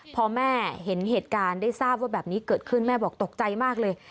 พอแม่เห็นเหตุการณ์ได้ทราบว่าแบบนี้เกิดขึ้นแม่บอกตกใจมากเลย